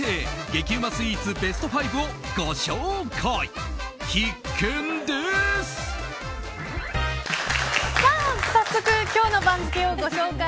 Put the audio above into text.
激うまスイーツベスト５をご紹介。